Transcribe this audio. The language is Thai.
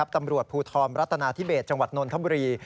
ตำรวจภูทรรัฐนาธิเบสจังหวัดนนทบุรี